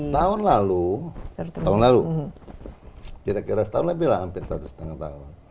tahun lalu tahun lalu kira kira setahun lebih lah hampir satu setengah tahun